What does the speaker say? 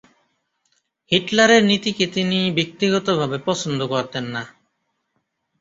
হিটলারের নীতিকে তিনি ব্যক্তিগতভাবে পছন্দ করতেন না।